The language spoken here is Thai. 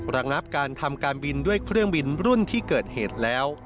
ระงับการทำการบินด้วยเครื่องบินรุ่นที่เกิดเหตุแล้ว